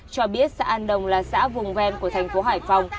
cho biết xã an đồng là xã vùng ven của thành phố hải phòng